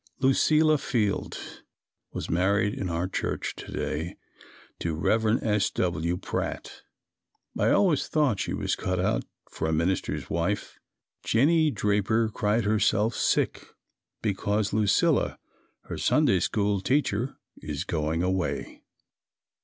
Lucilla Field was married in our church to day to Rev. S. W. Pratt. I always thought she was cut out for a minister's wife. Jennie Draper cried herself sick because Lucilla, her Sunday School teacher, is going away.